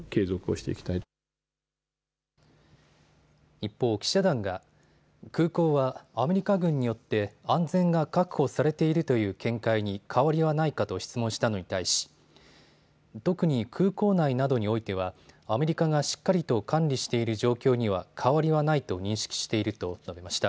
一方、記者団が空港はアメリカ軍によって安全が確保されているという見解に変わりはないかと質問したのに対し、特に空港内などにおいてはアメリカがしっかりと管理している状況には変わりはないと認識していると述べました。